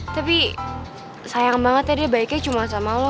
tapi sayang banget ya dia baiknya cuma sama allah